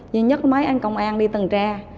nhưng nhất mấy anh công an đi tần tre